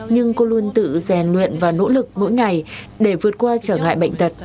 nhưng cô luôn tự rèn luyện và nỗ lực mỗi ngày để vượt qua trở ngại bệnh tật